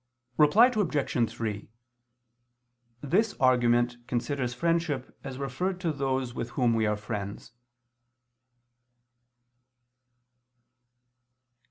Reply Obj. 3: This argument considers friendship as referred to those with whom we are friends.